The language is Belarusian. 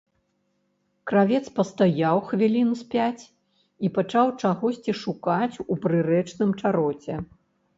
Кравец пастаяў хвілін з пяць і пачаў чагосьці шукаць у прырэчным чароце.